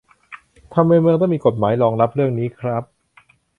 ทำไมเมืองต้องมีกฎหมายรองรับเรื่องนี้คร้าบ